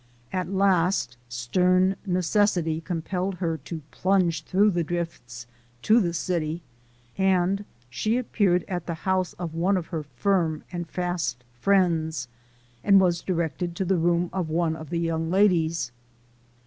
At length, stern necessity com pelled her to plunge through the drifts to the city, and she appeared at the house of one of her firm and fast friends, and was directed to the room of one of the young ladies.